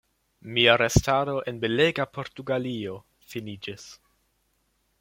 Mia restado en belega Portugalio finiĝis.